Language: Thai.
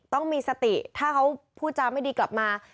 ต้องมีสติถ้าเขาพูดจาไม่ดีกลับมา